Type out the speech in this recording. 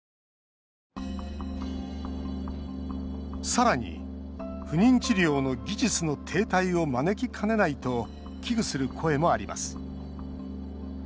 さらに、不妊治療の技術の停滞を招きかねないと危惧する声もあります。